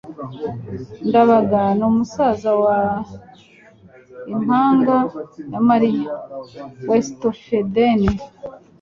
ndabaga ni musaza wa impanga ya mariya. (westofeden